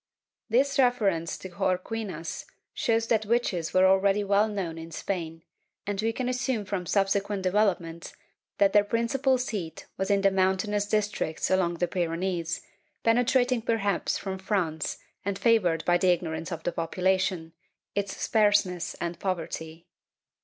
This reference to Xorguinas shows that witches were already well known in Spain, and we can assume from subsequent develop ments that their principal seat was in the mountainous districts along the Pyrenees, penetrating perhaps from France and favored by the ignorance of the population, its sparseness and poverty.